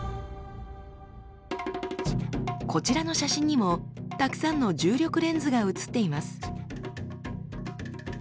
こちらの写真にもたくさんの重力レンズが写っています。